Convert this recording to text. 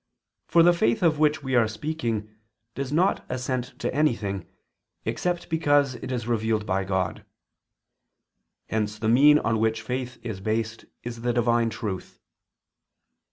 For the faith of which we are speaking, does not assent to anything, except because it is revealed by God. Hence the mean on which faith is based is the Divine Truth.